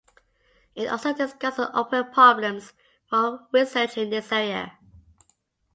It also discusses open problems for research in this area.